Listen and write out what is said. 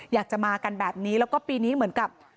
อยากจะมากันแบบนี้แล้วก็ปีนี้เหมือนกับ